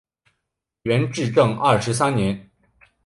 元至正二十三年。